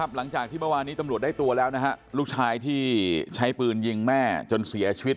หลังจากที่เมื่อวานนี้ตำรวจได้ตัวแล้วลูกชายที่ใช้ปืนยิงแม่จนเสียชีวิต